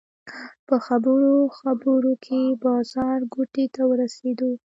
په خبرو خبرو کې بازارګوټي ته ورسېدو.